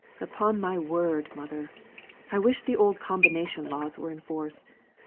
Upon my word, mother, I wish the old combination laws were in force.